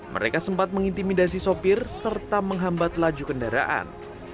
mereka sempat mengintimidasi sopir serta menghambat laju kendaraan